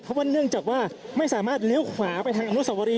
เพราะว่าเนื่องจากว่าไม่สามารถเลี้ยวขวาไปทางอนุสวรี